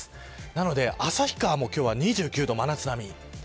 なので旭川も今日は２９度で真夏並み。